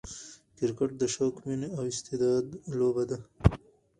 کرکټ د شوق، میني او استعداد لوبه ده.